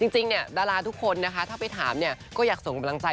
จริงเนี่ยดาราทุกคนนะคะถ้าไปถามเนี่ยก็อยากส่งกำลังใจ